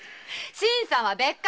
新さんは別格。